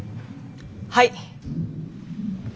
はい！